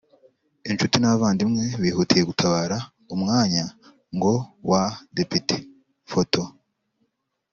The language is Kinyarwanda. Inshuti n’abavandimwe bihutiye gutabara umwanyango wa Depite/Photo